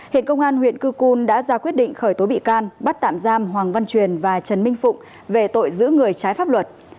hiện công an huyện cư cun đã ra quyết định khởi tố bị can bắt tạm giam hoàng văn truyền và trần minh phụng về tội giữ người trái pháp luật